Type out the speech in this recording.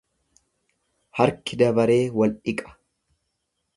Harki dabaree wal dhiqa.